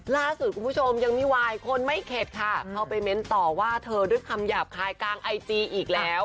ล่าสุดคุณผู้ชมยังไม่วายคนไม่เข็ดค่ะเข้าไปเม้นต่อว่าเธอด้วยคำหยาบคายกลางไอจีอีกแล้ว